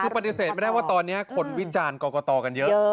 คือปฏิเสธไม่ได้ว่าตอนนี้คนวิจารณ์กรกตกันเยอะ